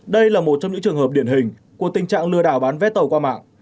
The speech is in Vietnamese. đây là một trong những trường hợp điển hình của tình trạng lừa đảo bán vé tàu qua mạng